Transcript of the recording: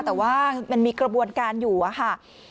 แต่ว่ามันมีกระบวนการอยู่อะค่ะ